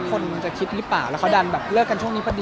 ให้คนจะคิดรึเปล่าแล้วเขาดันเลิกกันช่วงนี้ประดี